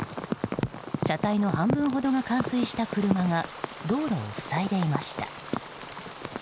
車体の半分ほどが冠水した車が道路を塞いでいました。